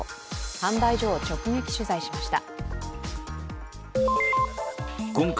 販売所を直撃取材しました。